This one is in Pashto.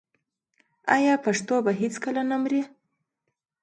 آیا پښتو به هیڅکله نه مري؟